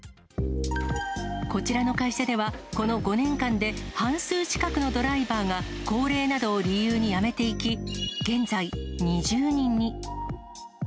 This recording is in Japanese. こちらの会社では、この５年間で半数近くのドライバーが、高齢などを理由にやめていき、現在２０人に。